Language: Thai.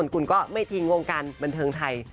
คุณก็ไม่ทิ้งวงการบันเทิงไทย